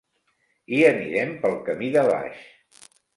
Hi anirem pel camí de baix.